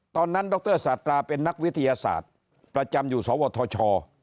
ดรสาตราเป็นนักวิทยาศาสตร์ประจำอยู่สวทช